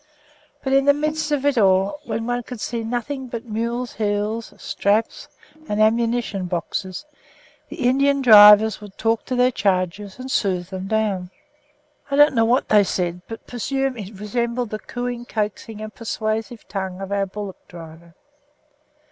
But in the midst of it all, when one could see nothing but mules' heels, straps and ammunition boxes, the Indian drivers would talk to their charges and soothe them down. I don't know what they said, but presume it resembled the cooing, coaxing and persuasive tongue of our bullock driver.